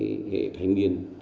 thế hệ thanh niên